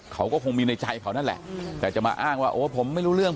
เขาก็คงมีในใจเขานั่นแหละแต่จะมาอ้างว่าโอ้ผมไม่รู้เรื่อง